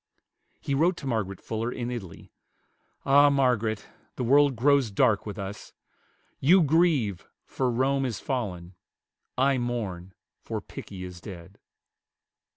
He wrote to Margaret Fuller in Italy, "Ah, Margaret, the world grows dark with us! You grieve, for Rome is fallen; I mourn, for Pickie is dead."